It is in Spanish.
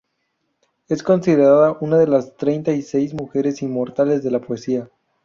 Es considerada una de las treinta y seis mujeres inmortales de la poesía.